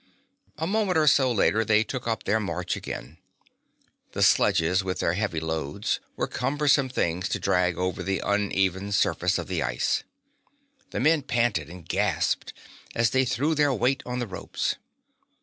A moment or so later they took up their march again. The sledges, with their heavy loads, were cumbersome things to drag over the uneven surface of the ice. The men panted and gasped as they threw their weight on the ropes.